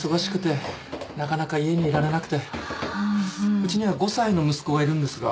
うちには５歳の息子がいるんですが。